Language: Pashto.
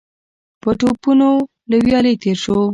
په ټوپونو له ويالې تېر شو.